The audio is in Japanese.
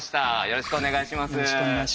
よろしくお願いします。